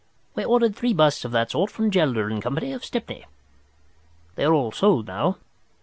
We ordered three busts of that sort from Gelder & Co., of Stepney. They are all sold now.